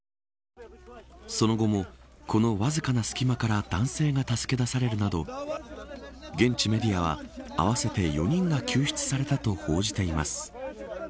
その後も、このわずかな隙間から男性が助け出されるなど現地メディアは合わせて４人が救出されたと報じています。